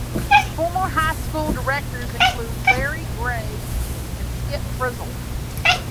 Former high school directors include: Larry Gray and Skip Frizzell.